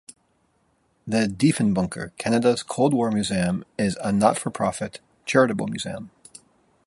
The Diefenbunker: Canada's Cold War museum is a not-for-profit, charitable museum.